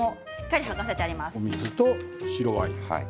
水と白ワイン。